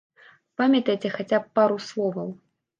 Памятаеце хаця б пару словаў?